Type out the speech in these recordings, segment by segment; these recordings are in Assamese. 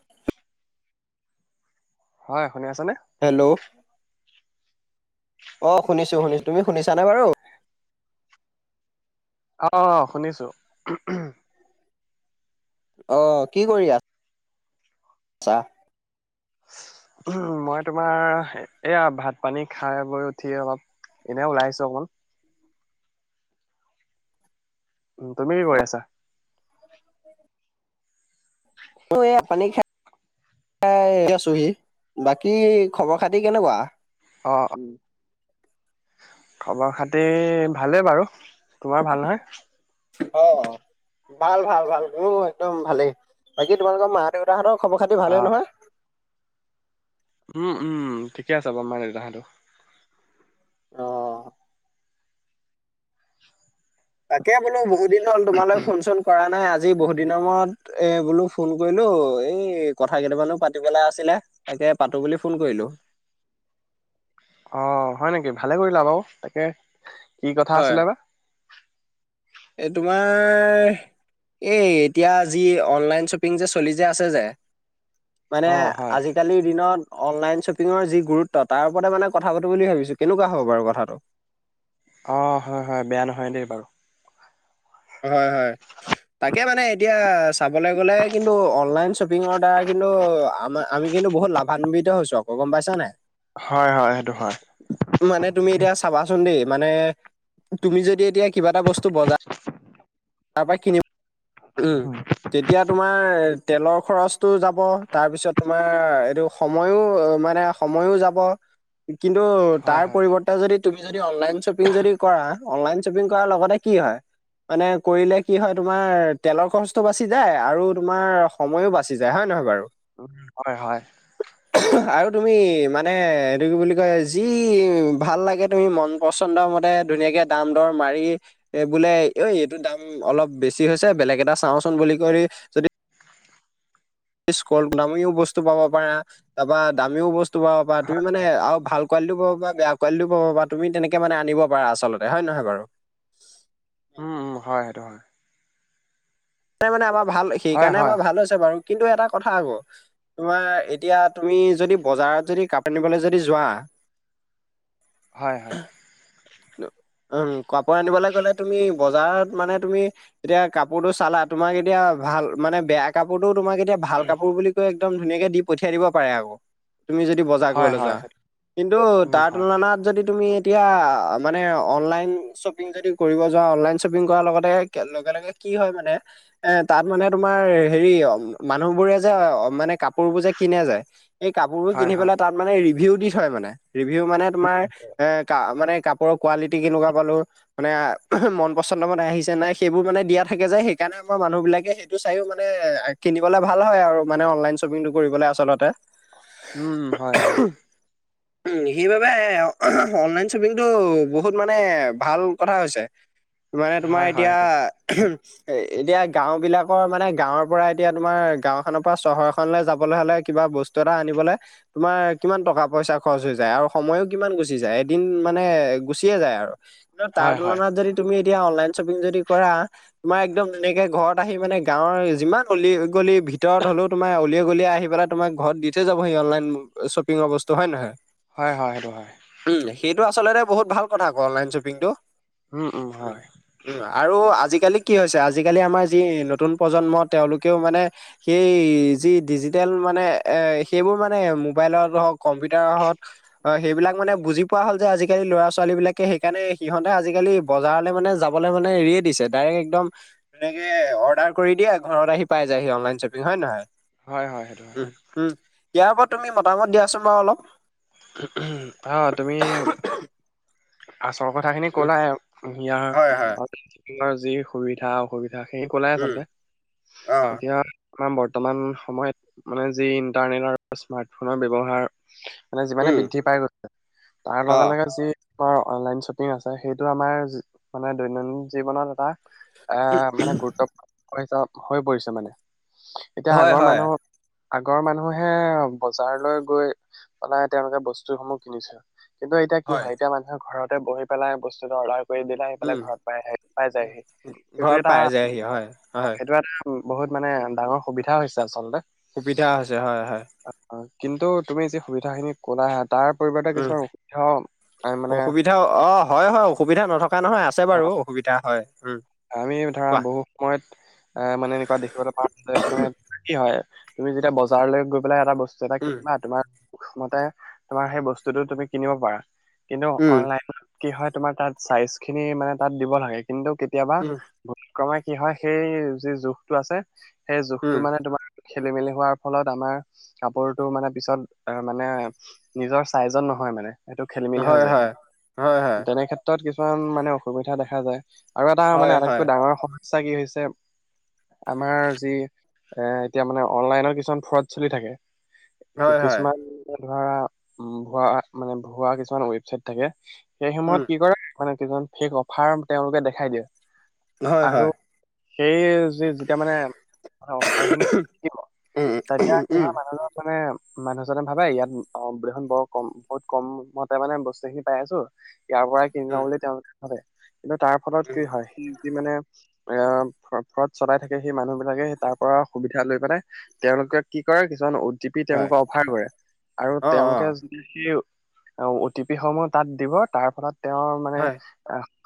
[unintelligible] হয় শুনি আছানে হেল্ল' অ শুনিছো শুনিছো তুমি শুনিছা নে বাৰু অ শুনিছো অ কি কৰি আ ছা উ মই তোমাৰ এয়া ভাত পানী খাই বৈ উঠি অলপ এনে ওলাই আহিছো অকণ উম তুমি কি কৰি আছা। [inaudible] এ এ আছোহি বাকী খবৰ খাতি কেনেকুৱা। অ উম, খবৰ খাতি ভালেই বাৰু তোমাৰ ভাল নহয়। অ ভাল ভাল ভাল উম একদম ভালেই বাকী তোমালোকৰ মা দেউতাহঁতক- খবৰ খাতি অ ভালে নহয়। উম উম ঠিকে আছে বাৰু মাই দেউতাহতো। অ তাকে বোলো বহু দিন হল তোমাল ফোন চোন কৰা নাই আজি। আজি বহুত দিনৰ মুৰত এ বোলো ফোন কৰিলো এই কথা কেইটামানো পাতিবলে আছিলে তাক- তাকে পাতো বুলি ফোন কৰিলো। [inaudible] অ হয় নেকি ভালে কৰিলা বাৰু তাকে কি কথা হয় আছিলে। বা এই তোমাৰ এই এতিয়া যি অনলাইন শ্বপিং যে চলি যে আছে। যে মানে অ হয় আজিকালিৰ দিনত অনলাইন, শ্বপিঙৰ যি গুৰুত্ব তাৰ ওপৰতে মানে কথা পাতো বুলি ভাবিছো কেনেকুৱা হ'ব বাৰু কথাটো। অ হয় হয় বেয়া নহয় দেই বাৰু হয় হয় তাকে মানে এতিয়া চাব গলে অনলাইন চপিং দ্বাৰা। কিন্তু আমাৰ আমি কিন্তু বহুত লাভান্বিত হৈছো আকৌ গম পাইছা নাই হয় হয় সেইটো হয়। মানে তুমি এতিয়া চাবাচোন দেই মানে তুমি যদি এতিয়া কিবা এটা বস্তু বজাৰ তাপা কিনি উম তেতিয়া তোমাৰ তেলৰ খৰচটোও যাব তাৰপিছত তোমাৰ এইটো সময়ো মানে সময়ো যাব। [inaudible] কিন্তু হয় তাৰ হয় পৰিৱৰ্তে যদি তুমি যদি অনলাইন শ্বপিং যদি কৰা অনলাইন শ্বপিং কৰাৰ লগতে কি হয় মানে। কৰিলে কি হয় তোমাৰ তেলৰ খৰচটো বাচি যায় আৰু তোমাৰ সময়ো বাচি যায় হয় নহয় বাৰু উ হয় হয়। আৰু তুমি মানে এইটো কি বুলি কয় যি ভাল লাগে তুমি মন পচন্দ মতে ধুনীয়াকে দাম দৰ মাৰি এ বোলে এই দাম অলপ বেছি হৈছে বেলেগ এটা চাওঁচোন বুলি কয় যদি দামিও বস্তু পাব পাৰা তাপা দামিও বস্তু পাব পাৰা তুমি হয় মানে আৰু ভাল কোৱালিটো পাব বা বেয়া কোৱালিটো পাব বা, তুমি তেনেকে মানে আনিব পাৰা আচলতে হয় নহয় বাৰু। উম উম হয় সেইটো হয়। মানে আমাৰ ভাল হয় সেইকাৰণে হয় আমাৰ ভাল আ হৈছে বাৰু। কিন্তু এটা কথা আকৌ, তোমাৰ এতিয়া তুমি যদি বজাৰত যদি কক [unintelligible] পনিবলৈ যদি যোৱা, হয় হয়। উম কাপোৰ আনিবলৈ গ'লে তুমি বজাৰত মানে তুমি এতিয়া কাপোৰটো চালা, তোমাক এতিয়া ভাল মানে বেয়া কাপোৰটো তোমাক এয়া এতিয়া ভাল কাপোৰ বুলি কৈ একদম ধুনীয়াকে দি পঠিয়াই দিব পাৰে আৰু। তুমি যদি বজাৰ হয় কৰিবলৈ হয় যোৱা। হয় কিন্তু উম তাৰ হয় তুলনাত যদি তুমি এতিয়া, মানে অনলাইন শ্বপিং যদি কৰিব যোৱা, অনলাইন শ্বপিং কৰাৰ লগতে লগে লগে কি হয় মানে। এ তাত মানে তোমাৰ হেৰি মানুহ বোৰে যে মানে কাপোৰবোৰ যে কিনে যে, এই কাপোৰবোৰ হয় কিনি পাই হয়। তাত মানে ৰিভিউ দি থয় মানে, ৰিভিউ মানে তোমাৰ এ ক মানে কাপোৰৰ কোৱালিটি কেনেকুৱা পালো, মানে মন পচন্দ মানে আহিছে নাই। সেইবোৰ মানে দিয়া থাকে যায়, সেইকাৰণে আমাৰ মানুহবিলাকে সেইটো চায়ো মানে কিনিবলে ভাল হয় আৰু মানে অনলাইন শ্বপিংটো কৰিবলে আচলতে। উম হয় হয়। উ সেইবাবে অনলাইন শ্বপিং, এইটো বহুত মানে ভাল কথা হৈছে। মানে তোমাৰ হয়, হয়, এতিয়া সেইটো এ এতিয়া গাও বিলাকৰ মানে গাঁওৰ পৰা এতিয়া তোমাৰ গাও খনৰ পৰা চহৰ খলৈ যাবলৈ হলে কিবা বস্তু এটা আনিবলে তোমাৰ কি টকা পইচা খৰচ হৈ যাই, আৰু সময়ো কি গুচি যায়। এদিন - মানে গুচিয়ে যায় আৰু। কিন্ত তাৰ হয়, হয়, তুলনাত যদি তুমি এতিয়া অনলাইন শ্বপিং যদি কৰা, তোমাৰ একদম এনেকে ঘৰত আহি মানে গাঁৱৰ যিমান উলি- গলি ভিতৰত হলেও তোমাৰ উলিয়াই - আগলিয় আহি পেলাই তোমাক ঘৰত দি থৈ যাবহি, অনলাইন শ্বপিংৰ বস্তু হয় নে নহয়? হয় হয় সেইটো হয়। উম, সেইটো আচলতে বহুত ভাল কথা ক অনলাইন শ্বপিংটো। উম, উম, হয়, উম আজিকা - লি কি হৈছে, আজিকালি আমাৰ যি নতুন প্ৰজন্ম, তেওঁলোকেও মানে সেই যি ডিজিট - ম মানে এ সেইবোৰ মানে মোবাইলত হওক, কম্পিউটাৰ হওক, অ সেইবিলাক মানে বুজি পোৱা হ'ল। যে আজিকালি ল'ৰা ছোৱালী বিলাকে সেইকাৰণে সিহঁতে আজিকালি বজাৰলৈ মানে যাবলৈ মানে এৰিয়ে দিছে। ডাইৰেক্ট একদম তেকে অৰ্ডাৰ কৰি দিয়ে, ঘৰত আহি পাই যায় সি অনলাইন শ্বপিং হয় নে নহয়। হয় হয়টো। উম, উম। ইয়াৰ পৰা তুমি মতামত দিয়াচোন বাৰু অলপ। হ তুমি, আচৰ কথা খিনি উম, ক'লাহে কোহিয়া হয়, হয়। যি সুবিধা অসুবিধা। এতিয়া সেই কলাই উম, আচলতে। অ', এতিয়া আমাৰ বৰ্তমান সময়ত মানে যি ইন্টাৰনেট আৰু স্মাৰ্টফোনৰ ব্যয়ৱহাৰ, মানে যিমানে উম, বৃদ্ধি পাই গৈছে, তাৰ লগে অ'। - লগে যি তোমাৰ অনলাইন শ্বপিং আছে, সেইটো আমাৰ মানে জ- দৈনন্দিন জীৱনত এটা অ' মানে গুৰুত্ব [inaudible] হৈ পৰিছে মানে। এতিয়া হয় আগৰ হয় মানুহ আগৰ মানুহে বজাৰলৈ গৈ পেলাই তেওঁলোকে বস্তুসমূহ কিনিছিল। কিন্তু এতিয়া কি হয় এতিয়া মানুহে ঘৰতে বহি পেলাই বস্তুটো অৰ্ডাৰ কৰি দিলে, সিফালে উম ঘৰত পাইহে পাই উম যায়হি। সেইটো ঘৰত এটা পাই যায়হি হয় অ' হয় সেইটো এটা বহুত মানে ডাঙৰ সুবিধা হৈছে আচলতে। সুবিধা হৈছে, হয় - হয়। অ, কিন্তু তুমি যি সুবিধাখিনি ক'লা, তাৰ পৰিৱৰ্তে উম কিছুমান অসুবিধাও আহ, মানে অসুবিধা, অ' হয় - হয়। অসুবিধা নথকা নহয়, আছে অ বাৰু, অসুবিধা হয়। উম আমি ধৰা, কোৱা বহু সময়ত এ- মানে এনেকুৱা দেখিবলৈ পাও যে, মানে কি হয় তুমি যেতিয়া বজাৰলৈ গৈ পেলাই এটা বস্তু এটা উম কিনিবা, তোমাৰ মতে তোমাৰ সেই বস্তুটো তুমি কিনিব পাৰা। কিন্তু উম অনলাইনত কি হয়, তোমাৰ তাত চাইজখিনি মানে তাত দিব লাগে। কিন্তু কেতিয়াবা উম ক্ৰমে কি হয়, সেই যি জোখটো আছে, সেই জোখটো উম মানে তোমাৰ খেলি-মেলি হোৱাৰ ফলত, আমাৰ কাপোৰটো মানে পিছত মানে নিজৰ ছাইজত নহয় মানে। সেইটো খেলি-মেলি হৈ হয় যায়। হয় হয় হয় তেনে ক্ষেত্ৰত কিছু মান মানে অসুবিধা দেখা যায়। আৰু এটা মানে হয় হয় আটাইতকৈ ডাঙৰ সমস্যা কি হৈছে আমাৰ যি এ এতিয়া মানে অনলাইনৰ কিছুমান ফ্ৰোড চলি থাকে। হয় হয় কিছুমান ধৰা, ভুৱা- মানে ভুৱা কিছুমান ৱেবচাইট থাকে। সেই উম সমূহত কি কৰে, মানে কিছুমান ফেক অফাৰ তেওঁলোকে দেখাই দিয়ে। হয় - আৰু হয়। সেই যে- যেতিয়া মানে অফাৰখিনি উম [inaudible] তেতিয়া উম কি উম হয় মানুহজন মানে মানুহজনে ভাবে ইয়াত অ' দেখোন বৰ কম- বহুত কমতে মানে বস্তুখিনি পাই আছোঁ। ইয়াৰ পৰাই কিনি উম লওঁ বুলি তেওঁলোকে ভাবে। কিন্তু তাৰ ফলত কি উম হয়, সি যি মানে এ ফ্ৰ- ফ্ৰোড চলাই থাকে, সেই মানুহবিলাকে সেই তাৰ পৰা সুবিধা লৈ পেলাই, তেওঁলোকে কি কৰে, কিছুমান অ' টি পি হয় তেওঁলোকে অফাৰ কৰে। আৰু অ অ তেওঁলোকে যদি সি অ' টি পিসমূহ তাত দিব, তাৰ ফলত তেওঁৰ মানে হয়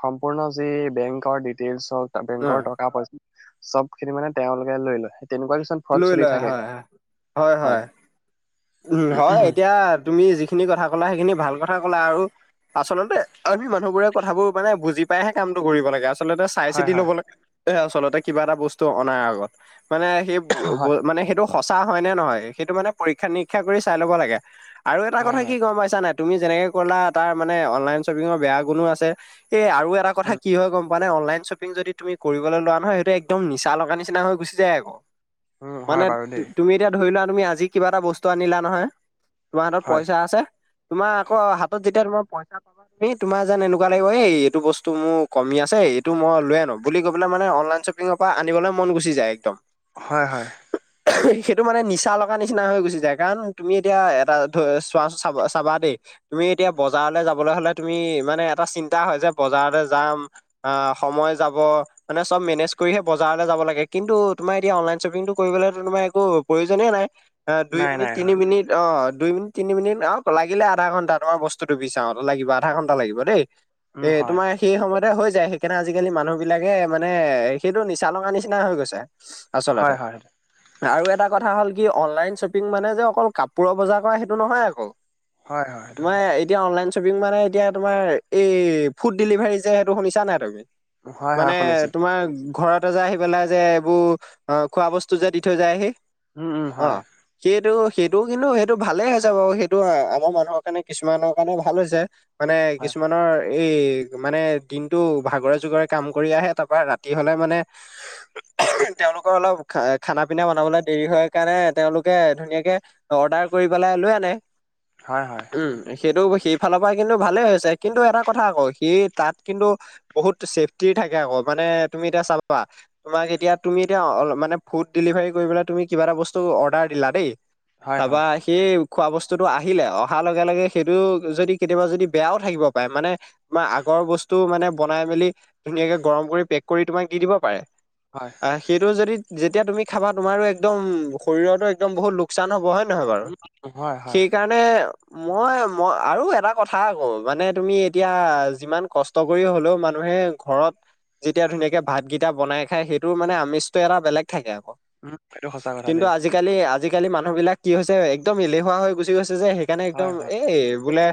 সম্পূৰ্ণ যি বেংকৰ ডিটেইলছ হওঁক, অ বেংকৰ টকা-পইচা, চবখিনি মানে তেওঁলোকে লৈ লয়। তেনেকুৱা কিমান ফ্ৰোড লৈ চলি লয় থাকে। হয় হয় হয়। উম, হয়। এতিয়া তুমি যিখিনি কথা ক'লা, সেইখিনি ভাল কথা ক'লা। আৰু আচলতে আমি মানুহবোৰে কথাবোৰ মানে বুজি পাইহে কামটো কৰিব লাগে। আ চলতে হয় চাই-চিতি হয় লব লাগে, এ আচলতে কিবা এটা বস্তু অনাৰ আগত। মানে সেই হয় বো- মানে সেইটো সঁচা হয় নে নহয়, সেইটো মানে পৰীক্ষা-নি ক্ষা কৰি চাই ল'ব লাগে। আৰু এটা হয় কথা কি হয় গম পাইছা নাই? তুমি যেনেকে ক'লা, তাৰ মানে অনলাইন শ্বপিঙৰ বেয়া গুণো আছে। এ আৰু এটা কথা উম কি হয় গম মানে অনলাইন শ্বপিং যদি তুমি কৰিবলৈ লোৱা নহয়, সেইটো একদম নিচা লগা নিচিনা হৈ গুচি যায় আকৌ। উম হয় মানে বাৰু দেই তু- তুমি এতিয়া ধৰি লোৱা তুমি আজি কিবা এটা বস্তু আনিলা নহয় তোমাৰ হাতত হয় পইচা আছে। তোমাৰ আকৌ হাতত যেতিয়া তোমাৰ পইচা পাবা, তুমি তোমাৰ যেন এনেকুৱা লাগিব, এই এইটো বস্তু মোক কমি আছে, এইটো মই লৈ আনোঁ। বুলি কৈ পেলাই মানে অনলাইন শ্বপিঙৰ পৰা আনিবলৈ মন গুচি যায় একদম। হয় - হয়। সেইটো মানে নিচা লগা নিচিনা হৈ গুচি যায়। কাৰণ তুমি এতিয়া এটা ধ- চোৱা- চাব- চাবা দেই, তুমি এতিয়া বজাৰলৈ যাবলৈ হ'লে তুমি মানে চিন্তা হয় যে, বজাৰলে যাম, অ' সময় যাব। মানে চব মেনেজ কৰিহে ব জাৰলৈ যাব লাগে। কিন্তু তোমাৰ এতিয়া অনলাইন শ্বপিংটো কৰিবলেটো তোমাৰ একো প্ৰয়োজনে নাই। অ' দুই নাই মিনিট, নাই তিনি হয় মিনিট, অ' দুই মিনিট - তিনি মিনিট, অ' লাগিলে আধা ঘণ্টা, তোমাৰ বস্তুটো বিচাৰোঁতে লাগিব, আধা ঘণ্টা লাগিব দেই। উম এ হয় তোমাৰ সেই সময়তে হৈ সেইকাৰণে আজিকালি মানুহ বিলাকে মানে সেইটো নিচা লগঙা নিচিনা হৈ গৈছে। আচলতে হয় হয়। আৰু এটা কথা হ'ল কি অনলাইন শ্বপিং মানে যে অকল কাপোৰৰ বজাৰ কৰা সেইটো নহয় আকৌ। সেইটো হয় হয় তোমাৰ সেইটো এতিয়া অনলাইন শ্বপিং মানে এতিয়া তোমাৰ এই ফুড ডেলিভাৰী যে সেইটো শুনিছা নে তুমি? হয় হয় মানে হয় শুনিছো তোমাৰ ঘৰত যে আহি পেলাই যে এইবোৰ অ খোৱা বস্তু যে দি থৈ যায় হি। উম উম হয়। সেইটো সেইটো কিন্তু সেইটো ভালেই হৈছে বাৰু সেইটো আমাৰ মানুহৰ কাৰণে কিছুমানৰ কাৰণে ভাল হৈছে। মানে হয় কিছুমানৰ এই মানে দিনটো ভাগৰে যুগৰে কাম কৰি আহে তাৰ পৰাৰা ৰাতি হলে মানে। তেওঁলোকৰ অলপ খানা পিনা বনাবলৈ দেৰি হয় কাৰণে তেওঁলোকে ধুনীয়াকে অৰ্ডাৰ কৰি পেলাই লৈ আনে হয় উম! সেইটো সেই ফালৰ পৰা কিন্তু ভালে হৈছে কিন্তু এটা কথা আকৌ সেই তাত কিন্তু বহুত ছেফটিৰ থাকে আকৌ মানে, তুমি এতিয়া চাবা, তোমাক এতিয়া তুমি এতিয়া মানে ফুদ ডিলিভাৰী কৰিবলে তুমি কিবা এটা বস্তু অৰ্ডাৰ দিলা দেই হয় হয় তাৰপা হয় সেই খোৱা বস্তুটো আহিলে অহাৰ লগে- লগে সেইটো যদি কেতিয়াবা যদি বেয়াও থাকিব পাৰে মানে বা আগ গৰ বস্তু মানে বনাই মেলি ধুনীয়াকে গৰম কৰি পেক কৰি তোমাক দি দিব পাৰে হয় আ সেইটো যদি যেতিয়া তুমি খাবা তোমাৰো একদম শৰীৰতো একদম বহুত লো কচান হ'ব হয় নহয় বাৰু উম হয় হয় সেইকাৰণে মই- মই আৰু এটা কথা আকৌ মানে তুমি এতিয়া যিমান কষ্ট কৰি হ'লেও মানু হে ঘৰত যেতিয়া ধুনীয়াকে ভাত কেইটা বনাই খাই সেইটো মানে আমিজটো এটা বেলেগ থাকে আৰু। উম, এইটো সঁচা কথা দেই। আজিকালি মানুহ বিলাক কি হৈছে, একদম এলেহুৱা হৈ গুচি গৈছে যে সেইকাৰণে একদম হয় হয় এই বোলে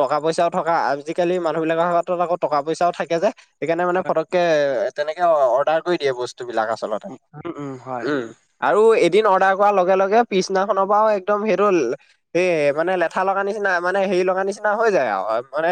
টকা পইচাও থকা আজিকালি মানুহ বিলাকৰ হাতত আকৌ টকা পইচাও থাকে যে, সেইকাৰণে মানে হয় ফটক কে তেনেকে অৰ্ডাৰ কৰি দিয়ে বচ স্তু বিলাক আচলতে, উম হয় উম আৰু এদিন অৰ্ডাৰ কৰা লগ লগে- লগে পিছদিনাখনৰ পৰাও একদম সেইটো এই মানে লেঠা লগা নিচিনা মানে হেৰি লগা নিচিনা হয় যায় আৰু মানে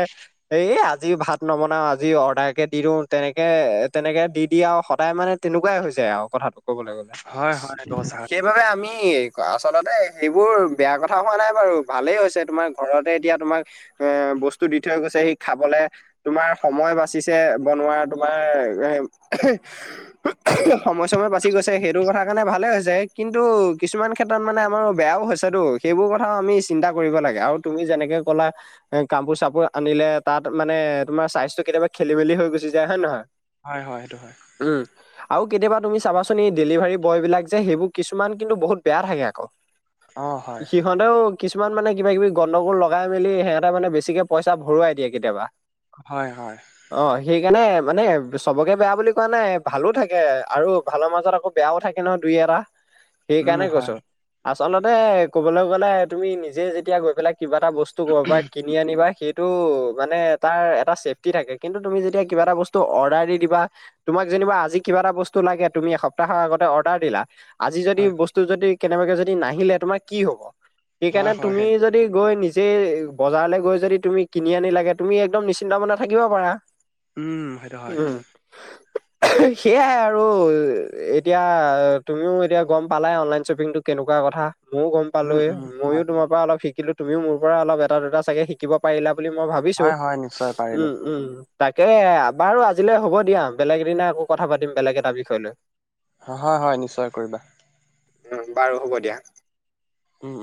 এই আজি ভাত নবনাও আজি অৰ্ডাৰ কে দি দিওঁ তেনেকে তেনেক কে দি- দি আৰু সদায় মানে তেনেকুৱাই হৈছে আৰু কথাটো ক'বলৈ গ'লে, হয় হয় সেইটো সঁচা সেইবাবে আমি আচলতে সেইবোৰ বেয়া কথা হোৱা নাই বাৰু ভালেই হৈছে তোমাৰ ঘৰতে এতিয়া তোমাক এ বস্তু দি থৈ গৈছে হি খাবলে তোমাৰ সময় বাচিছে বনোৱাৰ তোমাৰ সময়-চময় বাচি গৈছে সেইটো কথা কাৰণে ভালে হৈছে কিন্তু কিছুমান ক্ষেত্ৰত মানে আমাৰ বেয়াও হৈছেতো সেইবোৰ কথাও আমি চিন্তা কৰিব লাগে আৰু তুমি যেনেকে ক'লা এ কাপোৰ চাপোৰ আনিলে তাত মানে তোমাৰ চাইজটো কেতিয়াবা খেলি মেলি হৈ গুচি যায় হয় নহয়। হয় হয় সেইটো হয় উম আৰু কেতিয়াবা তুমি চাবাচোন এই ডেলিভাৰী বয় বিলাক যে সেইবোৰ কিছুমান কিন্তু বহুত বেয়া থাকে আকৌ। অ হয় সিহঁতেও কিছুমান মানে কিবা কিবি গণ্ডগোল লগাই মেলি সিহঁতে মানে বেছিকে পইচা ভৰোৱাই দিয়ে কেতিয়াবা। হয়- হয়। কেনে মানে চবকে বেয়া বুলি কোৱা নাই ভালো থাকে আৰু ভালৰ মাজত আকৌ বেয়াও থাকে ন দুই এ এটা, উম সেইকাৰণে হয় কৈছো আচলতে ক'বলৈ গ'লে তুমি নিজে যেতিয়া গৈ পেলাই কিবা এটা বস্তু ক'বাৰ পৰা কিনি আনিবা সেই টো মানে তাৰ এটা ছেফটি থাকে কিন্তু তুমি যেতিয়া কিবা এটা বস্তু অৰ্ডাৰ দি দিবা তোমাক য যেনিবা আজি কিবা এটা বস্তু লাগে তুমি এসপ্তাহৰ আগতে অৰ্ডাৰ দিলা আজি যদি হয় বস্তু যদি কেনেবাকে যদি নাহিলে তোমাৰ কি হ'ব, হয় সেইকাৰণে হয় তুমি সেই যদি গৈ নি জে বজাৰলৈ গৈ যদি তুমি কিনি আনিলাগে তুমি একদম নিশ্চিন্ত মনে থাকিব পাৰা। উম, সেইটো হয়। সেইয়াই আৰু এতিয়া তুমিও এতিয়া গম পালাই অনলাইন শ্বপিংটো কেনেকুৱা কথা মওঁ গম পালো উম উম ময়ো হয় তোমাৰ পৰা অলপ শিকিলো তুমিও মোৰ পৰা অলপ এটা দুটা চাগে শিকিব পাৰিলা বুলি মই ভাবিছো, হয় হয় নিশ্চয় পাৰিলো উম- উম। তাকে বাৰু আজিলৈ হ'ব দিয়া বেলেগ এদিনা আকৌ কথা পাতিম বেলেগ এটা বিষয় লৈ। হয়- হয় নিশ্চয় কৰিবা। উম বাৰু হ'ব দিয়া। উম।